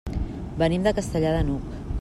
Venim de Castellar de n'Hug.